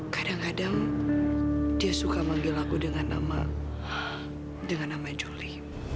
kadang kadang dia suka manggil aku dengan nama juli